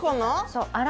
そう。